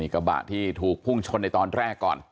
กระบะที่ถูกพุ่งชนในตอนแรกก่อน